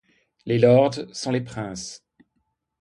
Les lords sont les princes.